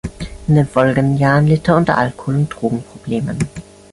In den folgenden Jahren litt er unter Alkohol- und Drogenproblemen.